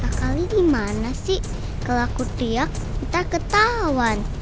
tak kali dimana si dalaku triak minta ketahuan